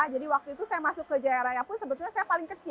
jadi waktu itu saya masuk ke jaya raya pun sebetulnya saya paling kecil